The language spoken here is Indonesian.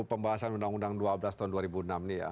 pembahasan undang undang dua belas tahun dua ribu enam ini ya